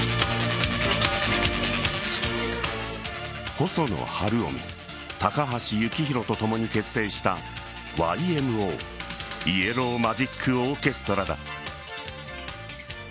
細野晴臣高橋幸宏と共に結成した、ＹＭＯイエロー・マジック・オーケストラだ。